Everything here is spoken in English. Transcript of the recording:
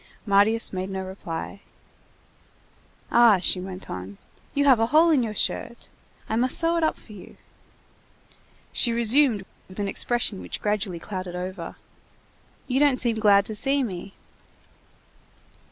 Marius made no reply. "Ah!" she went on, "you have a hole in your shirt. I must sew it up for you." She resumed with an expression which gradually clouded over:— "You don't seem glad to see me."